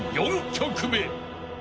４曲目］